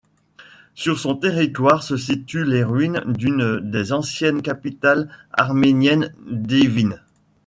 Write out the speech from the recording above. Sur son territoire se situent les ruines d'une des anciennes capitales arméniennes, Dvin.